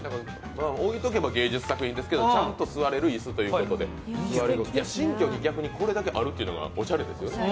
置いておけば芸術作品ですけどちゃんと吸われる椅子ということで新居にこれだけあるというのがおしゃれですよね。